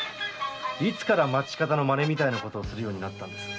いつから町方みたいな真似するようになったんです？